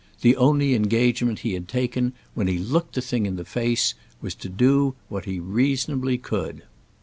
The only engagement he had taken, when he looked the thing in the face, was to do what he reasonably could.